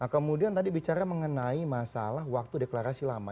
nah kemudian tadi bicara mengenai masalah waktu deklarasi lama